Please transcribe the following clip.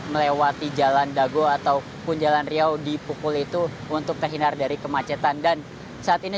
melewati jalan dago ataupun jalan riau dipukul itu untuk terhindar dari kemacetan dan saat ini